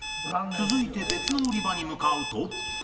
続いて別の売り場に向かうと